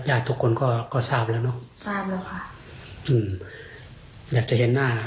อยากค่ะอยากเห็น